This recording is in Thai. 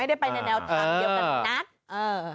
ไม่ได้ไปในแนวทำเกี่ยวกันรัก